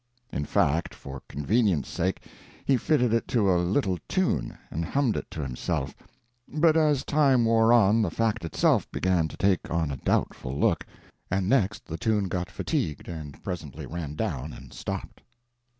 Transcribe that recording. In fact, for convenience' sake he fitted it to a little tune and hummed it to himself; but as time wore on the fact itself began to take on a doubtful look, and next the tune got fatigued and presently ran down and stopped.